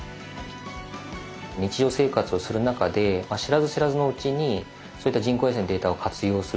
日常生活をする中で知らず知らずのうちにそういった人工衛星のデータを活用する。